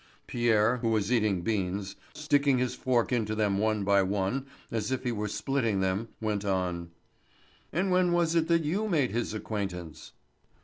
Pierre, who was eating beans, sticking his fork into them one by one as if he were spitting them, went on: "And when was it that you made his acquaintance?"